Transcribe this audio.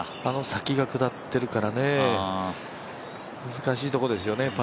あの先が下ってるからね難しいところですね